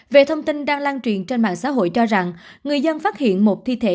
về thông tin đang lan truyền trên mạng xã hội cho rằng người dân phát hiện một thi thể